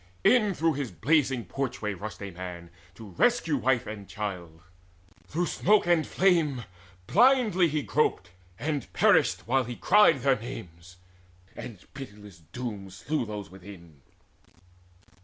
In through his blazing porchway rushed a man To rescue wife and child. Through smoke and flame Blindly he groped, and perished while he cried Their names, and pitiless doom slew those within.